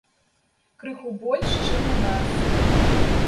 Крыху больш, чым у нас.